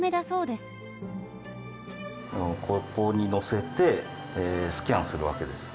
ここに乗せてスキャンするわけです。